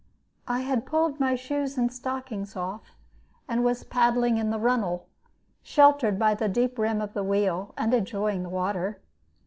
I had pulled my shoes and stockings off, and was paddling in the runnel, sheltered by the deep rim of the wheel, and enjoying the water.